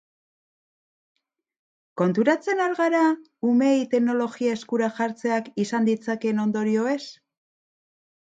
Konturatzen al gara umeei teknologia eskura jartzeak izan ditzakeen ondorioez?